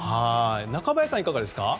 中林さん、いかがですか？